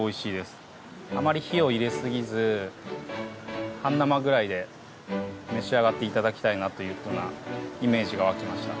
あまり火を入れすぎず半生ぐらいで召し上がって頂きたいなというふうなイメージが湧きました。